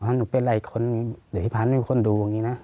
ว่าหนูเป็นอะไรอีกคนเดี๋ยวพี่พันธุ์มีคนดู